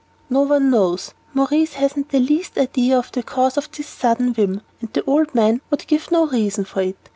"No one knows; Maurice hasn't the least idea of the cause of this sudden whim, and the old man would give no reason for it.